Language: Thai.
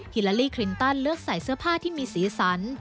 ลาลีคลินตันเลือกใส่เสื้อผ้าที่มีสีสัน